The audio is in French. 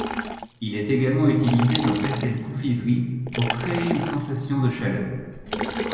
Il est également utilisé dans certaines confiseries pour créer une sensation de chaleur.